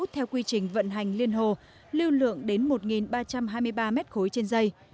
theo quy trình vận hành liên hồ lưu lượng đến một ba trăm hai mươi ba m ba trên dây